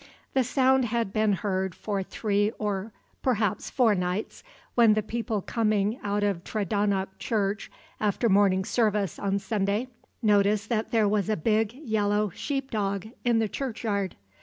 The sound had been heard for three or perhaps four nights, when the people coming out of Tredonoc church after morning service on Sunday noticed that there was a big yellow sheepdog in the churchyard.